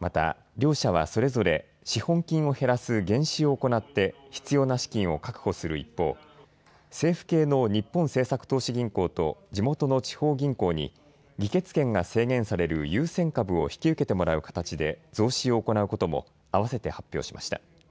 また両社はそれぞれ資本金を減らす減資を行って必要な資金を確保する一方、政府系の日本政策投資銀行と地元の地方銀行に議決権が制限される優先株を引き受けてもらう形で増資を行うこともあわせて発表しました。